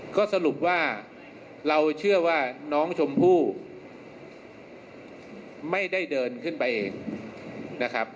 ก็สรุปว่าเราเชื่อว่าน้องชมพู่ไม่ได้เดินขึ้นไปเองนะครับ